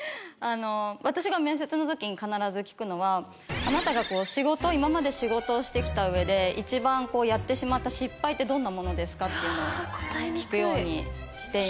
私が面接の時に必ず聞くのはあなたが仕事今まで仕事をしてきた上で一番やってしまった失敗ってどんなものですか？っていうのは聞くようにしています。